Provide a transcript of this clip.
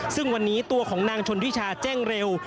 ซึ่งวันนี้ตัวของนางชนทิชาแจ้งเร็ว